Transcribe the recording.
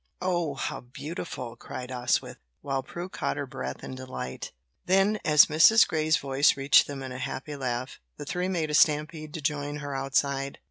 "Oh, how beautiful!" cried Oswyth, while Prue caught her breath in delight. Then, as Mrs. Grey's voice reached them in a happy laugh, the three made a stampede to join her outside.